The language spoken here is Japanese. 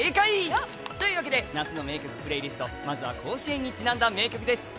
というわけで夏の名曲プレイリスト、まずは甲子園にちなんだ曲です。